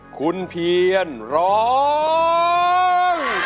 คุณเพียรร้อง